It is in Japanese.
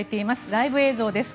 ライブ映像です。